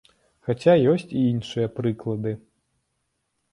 Хаця ёсць і іншыя прыклады.